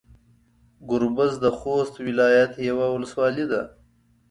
ګوربز د خوست ولايت يوه ولسوالي ده.